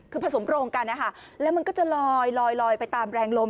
คือผสมโรงกันนะคะแล้วมันก็จะลอยลอยไปตามแรงลม